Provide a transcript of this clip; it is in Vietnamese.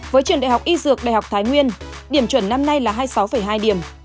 với trường đại học y dược đại học thái nguyên điểm chuẩn năm nay là hai mươi sáu hai điểm